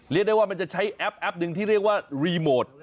ได้ว่ามันจะใช้แอปแอปหนึ่งที่เรียกว่ารีโมท